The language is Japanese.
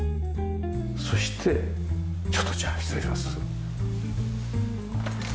そしてちょっとじゃあ失礼します。